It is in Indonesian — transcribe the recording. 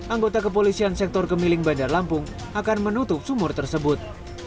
anggota kepolisian sektor kemiling bandar lampung akan menutup sumur tersebut